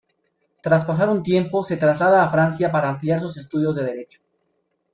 Tras pasar un tiempo se traslada a Francia para ampliar sus estudios de Derecho.